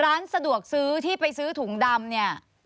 ร้านสะดวกซื้อที่ไปซื้อถุงดำเนี่ย